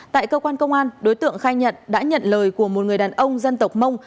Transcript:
tại cơ quan công an đối tượng khai nhận đã nhận lời của một người đàn ông dân tộc mông